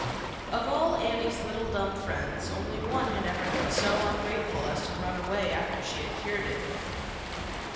& Of all Annie's little dumb friends, only one had ever been so ungrateful as to run away after she had cured it.